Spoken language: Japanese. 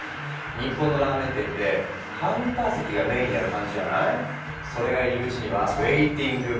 日本のラーメン店ってカウンター席がメインにある感じじゃない？